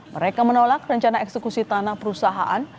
mereka menolak rencana eksekusi tanah perusahaan